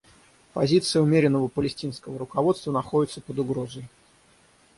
Позиция умеренного палестинского руководства находится под угрозой.